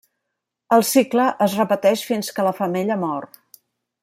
El cicle es repeteix fins que la femella mor.